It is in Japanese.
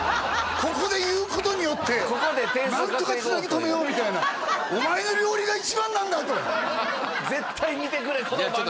ここで言うことによって何とかつなぎとめようみたいな「お前の料理が一番なんだ！」と「絶対見てくれこの番組を」